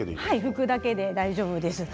拭くだけで大丈夫です。